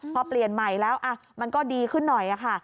พอเปลี่ยนใหม่แล้วมันก็ดีขึ้นหน่อยค่ะ